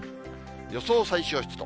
予想最小湿度。